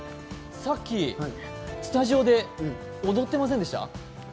さっき、スタジオで踊ってませんでした？